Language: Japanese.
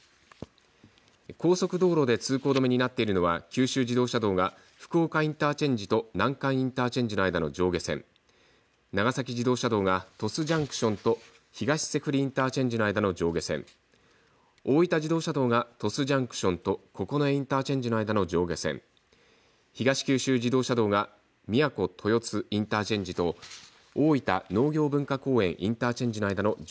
高速道路で通行止めになっているのは九州自動車道が福岡インターチェンジと南関インターチェンジの間の上下線長崎自動車道が鳥栖ジャンクションと東脊振インターチェンジ間の上下線大分自動車道が鳥栖ジャンクションと九重インターチェンジ間の上下線東九州自動車道がみやこ豊津インターチェンジと大分農業文化公園